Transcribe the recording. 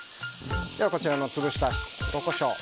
こちらの潰した粒コショウを。